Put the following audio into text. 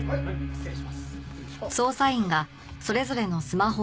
失礼します。